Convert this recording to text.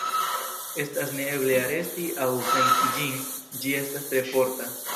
Estas neeble aresti aŭ venki ĝin, ĝi estas tre forta.